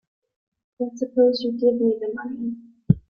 Then suppose you give me the money.